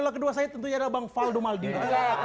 luar biasa sekali bang faldo maldini